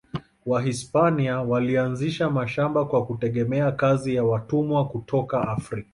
Wahispania walianzisha mashamba kwa kutegemea kazi ya watumwa kutoka Afrika.